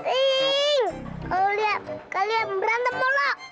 kalau liat liat berantem molo